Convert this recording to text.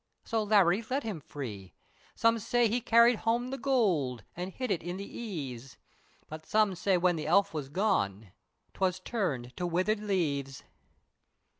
So Larry let him free. Some say he carried home the goold An' hid it in the aves, But some say when the elf was gone 'Twas turned to withered laves.